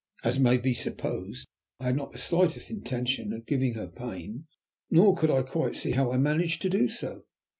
As may be supposed, I had not the slightest intention of giving her pain, nor could I quite see how I managed to do so.